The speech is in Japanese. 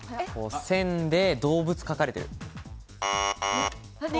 線で動物描かれてる。